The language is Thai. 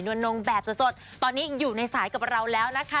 นงแบบสดตอนนี้อยู่ในสายกับเราแล้วนะคะ